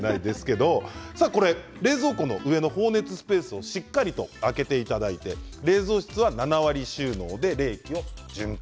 冷蔵庫の放熱スペースをしっかり空けていただいて冷蔵室は７割収納で冷気を循環。